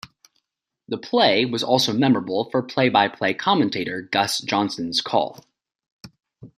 The play was also memorable for play-by-play commentator Gus Johnson's call.